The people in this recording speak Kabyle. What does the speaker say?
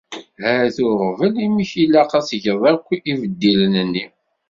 Ata uɣbel imi k-ilaq ad tgeḍ akk ibeddilen-nni!